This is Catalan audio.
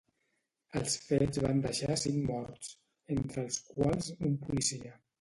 Els fets van deixar cinc morts, entre els quals un policia.